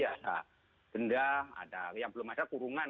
ada denda ada yang belum ada kurungan